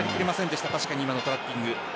確かに今のトラッピング。